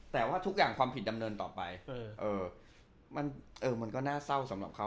แต่ว่าทุกอย่างความผิดดำเนินต่อไปมันก็น่าเศร้าสำหรับเขา